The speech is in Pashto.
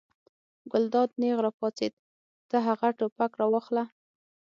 ګلداد نېغ را پاڅېد: ته هغه ټوپک راواخله.